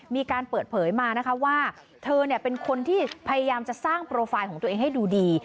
มีการเปิดเผยมานะคะว่าเธอเป็นคนที่พยายามจะสร้างโปรไฟล์ของตัวเองให้ดูดี